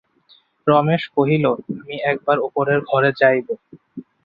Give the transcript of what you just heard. রমেশ কহিল, আমি একবার উপরের ঘরে যাইব।